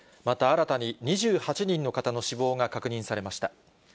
また新たに、２８人の方の死亡が確認されました。